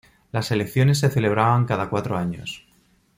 Las elecciones se celebraban cada cuatro años.